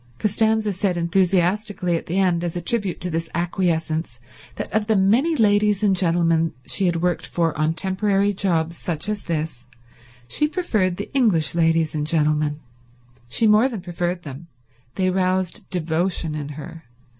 Costanza said enthusiastically at the end, as a tribute to this acquiescence, that of the many ladies and gentlemen she had worked for on temporary jobs such as this she preferred the English ladies and gentlemen. She more than preferred them—they roused devotion in her.